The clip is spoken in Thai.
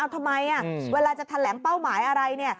ทำไมอ่ะเวลาจะแถลงเป้าหมายอะไรเนี่ย